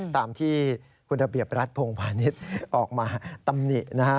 ตามที่คุณระเบียบรัฐพงพาณิชย์ออกมาตำหนินะฮะ